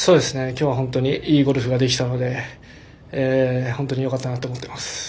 きょうは本当にいいゴルフができたので本当によかったなと思ってます。